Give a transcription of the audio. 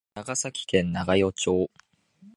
長崎県長与町